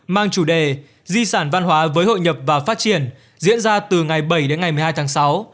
mang chủ đề di sản văn hóa với hội nhập và phát triển diễn ra từ ngày bảy đến ngày một mươi hai tháng sáu